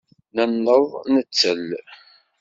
Nenneḍ nettel.